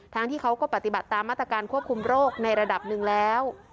ทั้งที่เขาก็ปฏิบัติตามมาตรการควบคุมโรคในระดับหนึ่งแล้ว